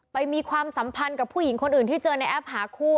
มีความสัมพันธ์กับผู้หญิงคนอื่นที่เจอในแอปหาคู่